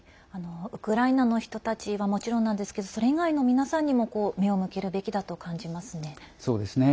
ウクライナの人たちはもちろんなんですけどそれ以外の皆さんにも目を向けるべきだと感じますね。